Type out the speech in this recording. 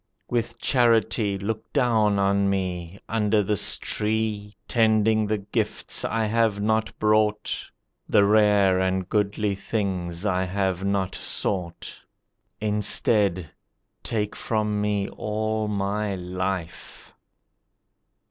With charity look down on me, Under this tree, Tending the gifts I have not brought, The rare and goodly things I have not sought. Instead, take from me all my life!